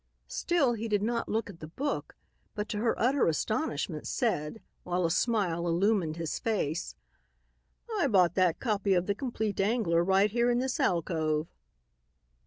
Still he did not look at the book but to her utter astonishment said, while a smile illumined his face, "I bought that copy of 'The Compleat Angler' right here in this alcove."